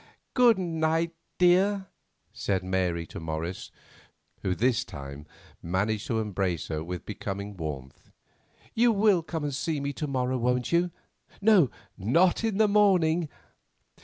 "Good night, dear!" said Mary to Morris, who this time managed to embrace her with becoming warmth; "you will come and see me to morrow, won't you—no, not in the morning.